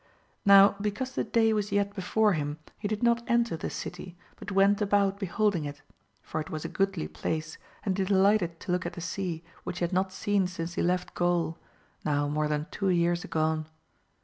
Now because the day was yet before him he did not enter the city, but went about beholding it, for it was a goodly place, and he delighted to look at the sea, which he had not AMADIS OF GAUL. 265 seen since he left Gaul, now more than two years agone.